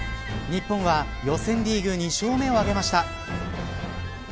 日本は予選リーグ２勝目を挙げました。